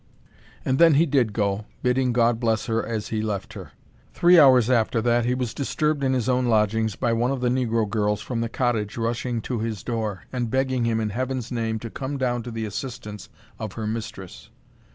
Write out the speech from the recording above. And then he did go, bidding God bless her as he left her. Three hours after that he was disturbed in his own lodgings by one of the negro girls from the cottage rushing to his door, and begging him in Heaven's name to come down to the assistance of her mistress.